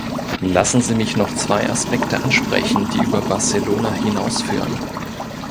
Lassen Sie mich noch zwei Aspekte ansprechen, die über Barcelona hinausführen.